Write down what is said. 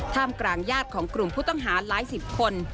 กลางญาติของกลุ่มผู้ต้องหาหลายสิบคน